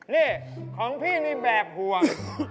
นี่ของพี่นี่แบบห่วง